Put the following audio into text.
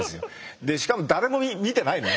でしかも誰も見てないのよ。